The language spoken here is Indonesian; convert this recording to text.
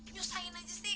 nyusahin aja sih